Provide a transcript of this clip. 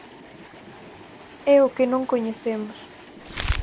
E o que non coñecemos.